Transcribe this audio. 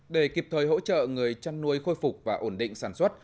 để kịp thời hỗ trợ người chăn nuôi khôi phục và ổn định sản xuất